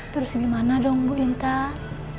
terus gimana dong bu intan